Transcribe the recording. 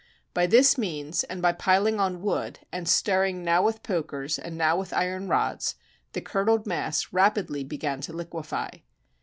By this means, and by piling on wood and stirring now with pokers and now with iron rods, the curdled mass rapidly began to liquefy.